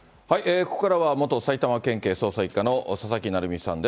ここからは元埼玉県警捜査１課の佐々木成三さんです。